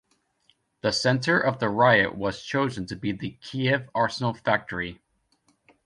The center of the riot was chosen to be the Kiev Arsenal factory.